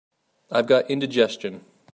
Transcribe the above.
I've got indigestion.